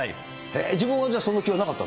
自分はその気はなかった？